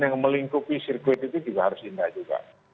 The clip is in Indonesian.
yang melingkupi sirkuit itu juga harus indah juga